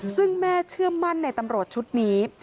ซึ่งแม่เชื่อมั่นในตำรวจชุดนี้